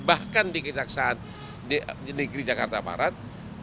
bahkan di kisah kisah negeri jakarta barat